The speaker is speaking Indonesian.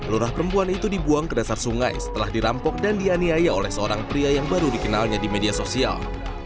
lurah perempuan itu dibuang ke dasar sungai setelah dirampok dan dianiaya oleh seorang pria yang baru dikenalnya di media sosial